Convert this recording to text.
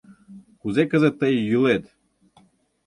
Кузе кызыт тые йӱлет!..